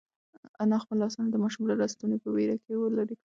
انا خپل لاسونه د ماشوم له ستوني په وېره کې لرې کړل.